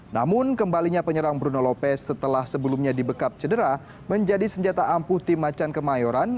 namun kembalinya penyerang bruno lopez setelah sebelumnya dibekap cedera menjadi senjata ampuh tim macan kemayoran